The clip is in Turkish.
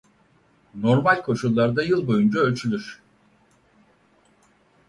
Normal koşullarda yıl boyunca ölçülür.